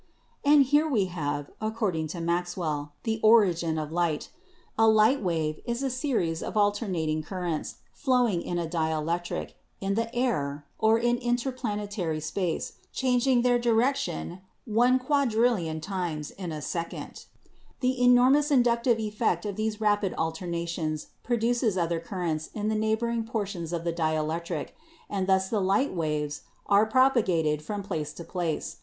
"And here wt have, according to Maxwell, the origitt of light: A light wave is a series of alternating currents, flowing in a dielectric, in the air, or in interplanetary 150 ELECTRICITY space, changing their direction 1,000,000,000,000,000 tii >es in a second. The enormous inductive effect of these rapid alternations produces other currents in the neighboring portions of the dielectric, and thus the light waves are propagated from place to place.